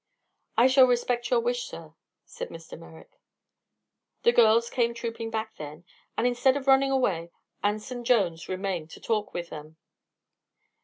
"I shall respect your wish, sir," said Mr. Merrick. The girls came trooping back then, and instead of running away Anson Jones remained to talk with them.